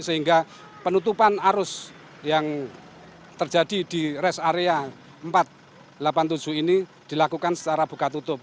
sehingga penutupan arus yang terjadi di rest area empat ratus delapan puluh tujuh ini dilakukan secara buka tutup